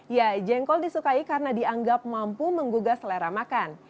ya jengkol disukai karena dianggap mampu menggugah selera makan